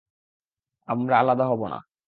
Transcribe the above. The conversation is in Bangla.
আমরা আলাদা হব না।